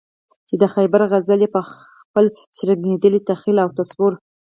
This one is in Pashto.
چې د خیبر غزل یې په خپل شرنګېدلي تخیل او تصور.